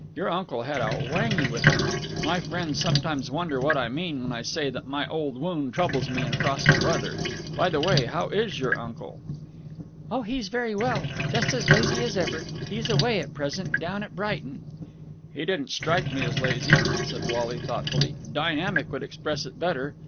Your uncle had a whangee with him. My friends sometimes wonder what I mean when I say that my old wound troubles me in frosty weather. By the way, how is your uncle?" "Oh, he's very well. Just as lazy as ever. He's away at present, down at Brighton." "He didn't strike me as lazy," said Wally thoughtfully. "Dynamic would express it better.